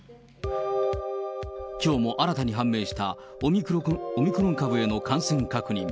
きょうも新たに判明した、オミクロン株への感染確認。